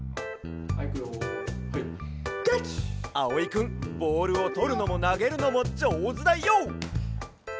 あおいくんボールをとるのもなげるのもじょうずだＹＯ！